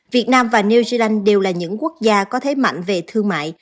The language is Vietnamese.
việt nam và new zealand đều là những quốc gia có thế mạnh về thương mại